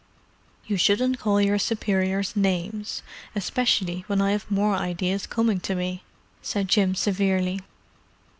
"You shouldn't call your superiors names, especially when I have more ideas coming to me," said Jim severely.